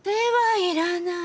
いらない？